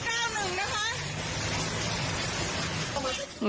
สาย๑๙๑นะคะ